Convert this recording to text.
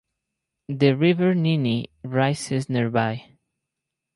The River Nene rises nearby.